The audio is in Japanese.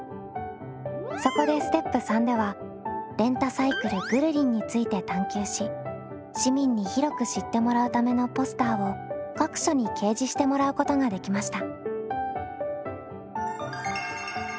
そこでステップ３ではレンタサイクル「ぐるりん」について探究し市民に広く知ってもらうためのポスターを各所に掲示してもらうことができました。